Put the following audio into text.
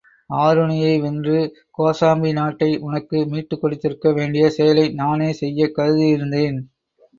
ஆருணியை வென்று கோசாம்பி நாட்டை உனக்கு மீட்டுக் கொடுத்திருக்க வேண்டிய செயலை நானே செய்யக் கருதியிருந்தேன்.